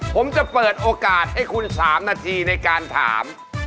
ผมจะเปิดโอกาสให้คุณ๓นาทีในการถาม